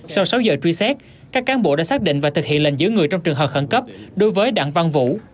sau sáu giờ truy xét các cán bộ đã xác định và thực hiện lệnh giữ người trong trường hợp khẩn cấp đối với đặng văn vũ